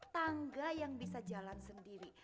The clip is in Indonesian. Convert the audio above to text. tangga yang bisa jalan sendiri